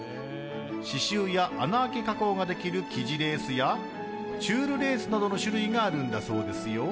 刺しゅうや穴あき加工ができる生地レースやチュールレースなどの種類があるんだそうですよ。